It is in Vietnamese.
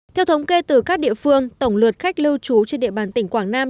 theo thống kê từ các địa phương tổng lượt khách lưu trú trên địa bàn tỉnh quảng nam